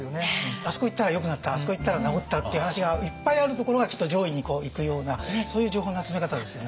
あそこ行ったらよくなったあそこ行ったら治ったっていう話がいっぱいあるところがきっと上位にいくようなそういう情報の集め方ですよね。